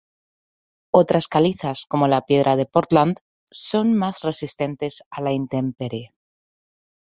Otras calizas, como la Piedra de Portland, son más resistentes a la intemperie.